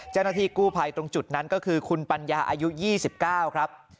เจ้าหน้าที่กู้ภัยตรงจุดนั้นก็คือคุณปัญญาอายุ๒๙ครับ